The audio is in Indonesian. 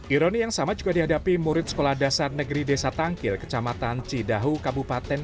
ironi yang sama juga dihadapi murid sekolah dasar negeri desa tangkil kecamatan cidahu kabupaten